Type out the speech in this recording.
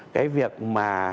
cái việc mà